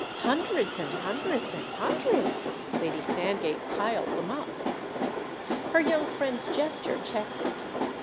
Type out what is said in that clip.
Hundreds and hundreds and hundreds!"—Lady Sandgate piled them up. Her young friend's gesture checked it.